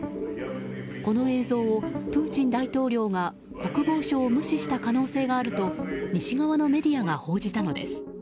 この映像をプーチン大統領が国防相を無視した可能性があると西側のメディアが報じたのです。